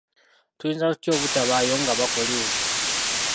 Tuyinza tutya obutabaayo nga bakola ebyo?